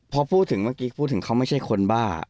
พอพูดถึงเขาไม่ใช่คนบ้า